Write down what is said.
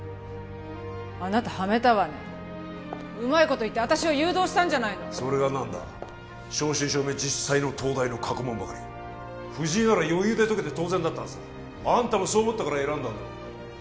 あなたハメたわねうまいこと言って私を誘導したんじゃないのそれが何だ正真正銘実際の東大の過去問ばかり藤井なら余裕で解けて当然だったはずだあんたもそう思ったから選んだんだろ